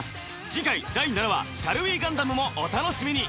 次回第７話「シャル・ウィ・ガンダム？」もお楽しみに。